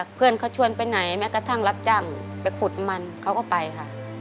เพื่อนเขาชวนไปไหนแม้กระทั่งรับจ้างไปขุดมันเขาก็ไปค่ะ